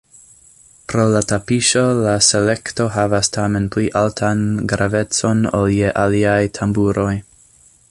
Pro la tapiŝo la selekto havas tamen pli altan gravecon ol je aliaj tamburoj.